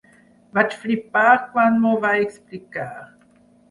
Vaig flipar quan m'ho va explicar.